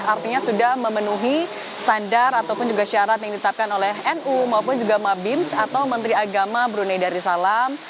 artinya sudah memenuhi standar ataupun juga syarat yang ditetapkan oleh nu maupun juga mabims atau menteri agama brunei darussalam